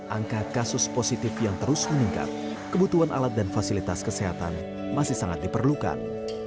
angka kasus positif yang terus meningkat kebutuhan alat dan fasilitas kesehatan masih sangat diperlukan